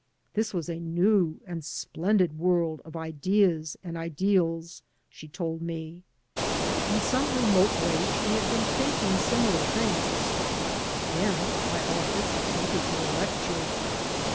This was a new and splendid world of ideas and ideals, she told me. Ill some remote way she had been thinking similar things. Then I offered to take her to a lecture.